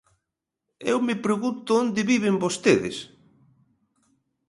Eu me pregunto onde viven vostedes.